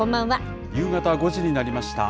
夕方５時になりました。